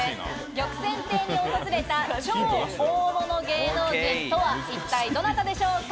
玉泉亭に訪れた超大物芸能人とは一体どなたでしょうか？